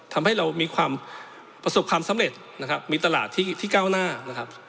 ทำให้เรามีความประสบความสำเร็จนะครับมีตลาดที่ก้าวหน้านะครับ